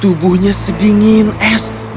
tubuhnya sedingin es